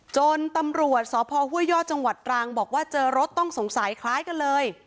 จนตำรวจสศผู้ใหญ่บ้านใจจังหวัดรังบอกว่าเจอรถต้องสงสัยคล้ายกันเลย